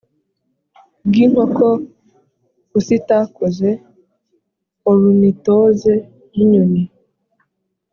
bw inkoko pusitakoze orunitoze y inyoni